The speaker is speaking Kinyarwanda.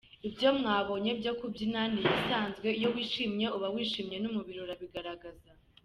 Ibyo mwabonye byo kubyina ni ibisanzwe, iyo wishimye uba wishimye n’umubiri urabigaragaza.